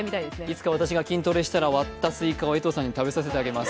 いつか私が筋トレしたら割ったスイカを江藤さんに食べさせてあげます。